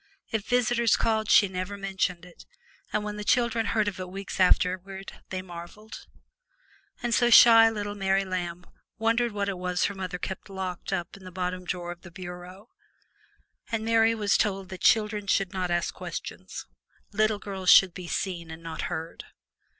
If visitors called she never mentioned it, and when the children heard of it weeks afterward they marveled. And so shy little Mary Lamb wondered what it was her mother kept locked up in the bottom drawer of the bureau, and Mary was told that children must not ask questions little girls should be seen and not heard.